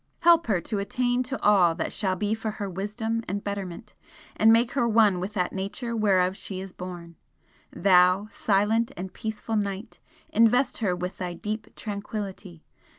Help her to attain to all that shall be for her wisdom and betterment, and make her one with that Nature whereof she is born. Thou, silent and peaceful Night, invest her with thy deep tranquillity!